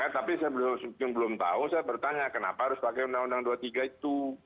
tapi saya belum tahu saya bertanya kenapa harus pakai undang undang dua puluh tiga itu